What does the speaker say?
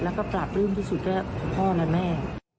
แล้วก็ปราบปลื้มที่สุดก็พ่อและแม่